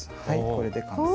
これで完成。